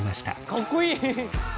かっこいい。